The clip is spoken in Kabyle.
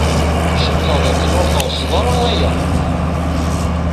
Cikkeɣ dakken ur teɣsed ara aya.